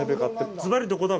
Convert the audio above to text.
ずばり、どこだべ？